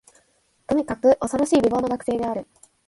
とにかく、おそろしく美貌の学生である